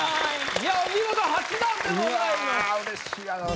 いやお見事８段でございます。